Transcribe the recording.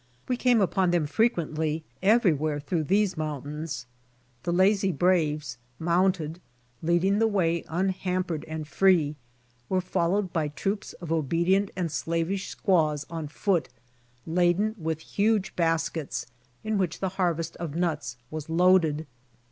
We came upon them frequently everywhere through these mountains. The lazy braves mounted, leading the way unhampered and free, were followed by troops of obedient and slavish squaws on foot, laden with huge baskets in which the harvest of nuts was loaded.